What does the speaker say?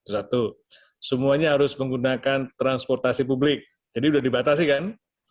satu semuanya harus menggunakan transportasi publik jadi sudah dibatasi kan